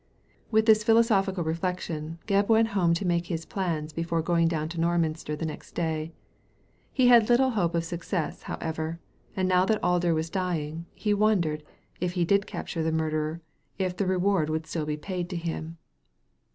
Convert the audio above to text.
With this philosophical reflection, Gebb went home to make his plans before going down to Norminster the next day. He had little hope of success, how ever, and now that Alder was dying, he wondered, if he did capture the murderer, if the reward would be paid to him.